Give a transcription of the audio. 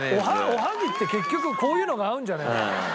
おはぎって結局こういうのが合うんじゃねえの？